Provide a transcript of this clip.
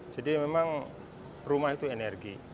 memang rumah itu energi